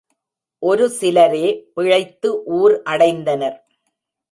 ஒரு சிலரே பிழைத்து ஊர் அடைந்தனர்.